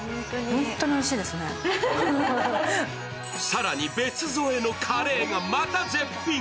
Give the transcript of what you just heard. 更に別添えのカレーがまた絶品。